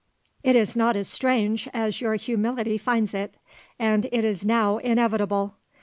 "It is not as strange as your humility finds it. And it is now inevitable.